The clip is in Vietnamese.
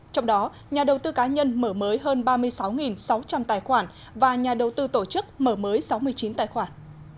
trong đó nhà đầu tư cá nhân mở mới hơn ba mươi sáu sáu trăm linh tài khoản và nhà đầu tư tổ chức mở mới sáu mươi chín tài khoản